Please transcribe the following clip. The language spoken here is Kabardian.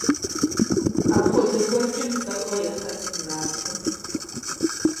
Апхуэдэ гуэркӏэ мыцӏэрыӏуэ яхэткъым нартхэм.